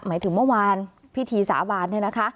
หมายถึงเมื่อวาน